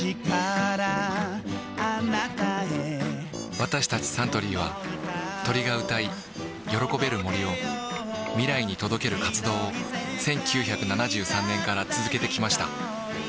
私たちサントリーは鳥が歌い喜べる森を未来に届ける活動を１９７３年から続けてきました